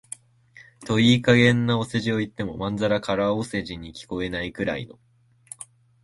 といい加減なお世辞を言っても、まんざら空お世辞に聞こえないくらいの、